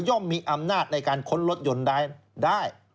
่อมมีอำนาจในการค้นรถยนต์ได้